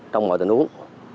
trong mọi tình huống